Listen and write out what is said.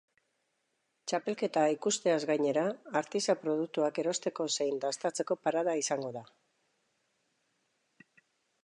Txapelketa ikusteaz gainera, artisau-produktuak erosteko zein dastatzeko parada izango da.